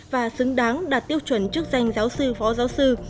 và xứng đáng đạt tiêu chuẩn chức danh giáo sư phó giáo sư